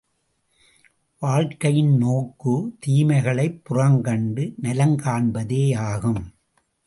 வாழ்க்கையின் நோக்கு, தீமைகளைப் புறங்கண்டு நலங்காண்பதேயாகும்.